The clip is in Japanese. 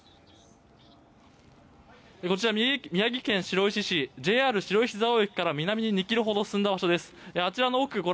こちら宮城県白石市南に２ｋｍほど進んだ場所です。